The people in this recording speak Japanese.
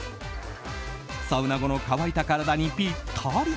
サウナ後の乾いた体にぴったり。